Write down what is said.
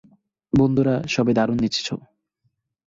বন্ধুরা, সবাই দারুণ নেচেছো।